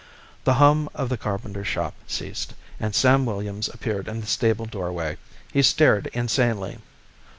The hum of the carpenter shop ceased, and Sam Williams appeared in the stable doorway. He stared insanely.